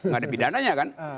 gak ada pidananya kan